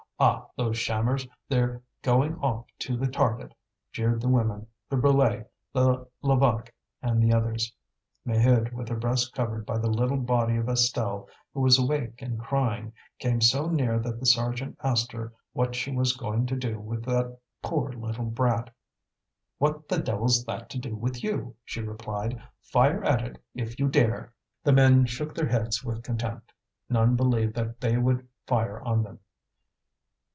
"Ah! these shammers, they're going off to the target!" jeered the women, the Brulé, the Levaque, and the others. Maheude, with her breast covered by the little body of Estelle, who was awake and crying, came so near that the sergeant asked her what she was going to do with that poor little brat. "What the devil's that to do with you?" she replied. "Fire at it if you dare!" The men shook their heads with contempt. None believed that they would fire on them.